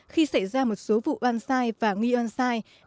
khi xảy ra một số vụ on site và nghi on site